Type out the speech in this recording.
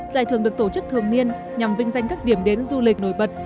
giải thưởng được tổ chức thường niên nhằm vinh danh các điểm đến du lịch nổi bật